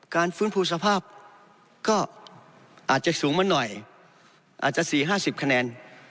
ฟื้นฟูสภาพก็อาจจะสูงมาหน่อยอาจจะ๔๕๐คะแนน